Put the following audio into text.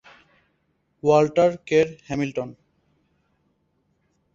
Walter Kerr Hamilton.